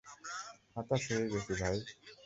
হতাশ হয়ে গেছি, ভাই।